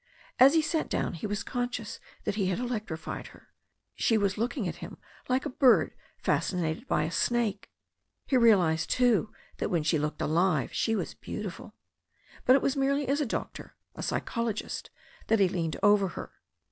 As he sat down he was conscious that he had electrified her. She was looking at him like a bird fascinated by a snake. He realized, too, that when she looked alive she was beautiful. But it was merely as a doctor, a psychologist, that he leaned over her.